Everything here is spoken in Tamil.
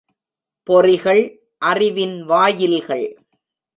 பொறிகள், அறிவின் வாயில்கள்.